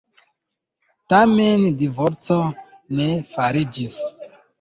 Tamen divorco ne fariĝis.